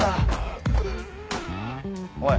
おい。